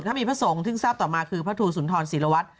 เขามีผสงทึ่งทราบต่อมาคือพระธูสุนทรศิรวรรษ